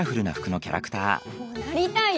こうなりたいよ！